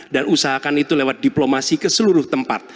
dan usahakan itu lewat diplomasi ke seluruh tempat